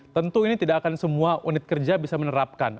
tentu ini tidak akan semua unit kerja bisa menerapkan